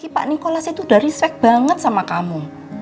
pak nikolasnya itu udah respect banget sama kamu